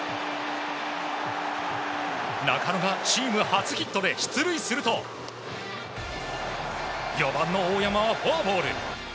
中野がチーム初ヒットで出塁すると４番の大山はフォアボール。